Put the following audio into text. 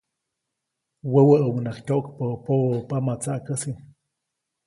Wäwäʼunŋaʼajk tyoʼkpäʼu pobopama tsaʼkäsi.